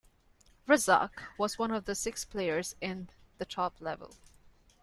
Razzak was one of six players in the top level.